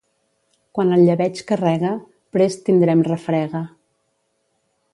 Quan el llebeig carrega, prest tindrem refrega.